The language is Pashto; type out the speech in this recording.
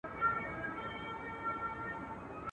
هسي نه چي په دنیا پسي زهیر یم ».